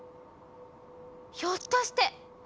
ひょっとして！